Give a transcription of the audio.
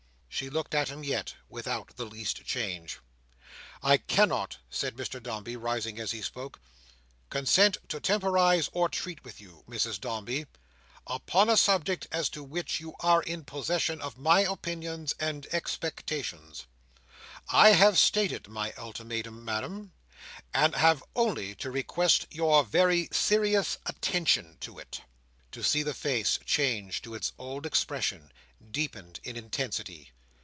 She looked at him yet, without the least change. "I cannot," said Mr Dombey, rising as he spoke, "consent to temporise or treat with you, Mrs Dombey, upon a subject as to which you are in possession of my opinions and expectations. I have stated my ultimatum, Madam, and have only to request your very serious attention to it." To see the face change to its old expression, deepened in intensity!